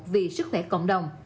vì sức khỏe cộng đồng